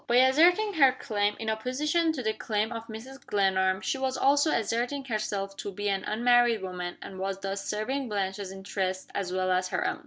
By asserting her claim, in opposition to the claim of Mrs. Glenarm, she was also asserting herself to be an unmarried woman, and was thus serving Blanche's interests as well as her own.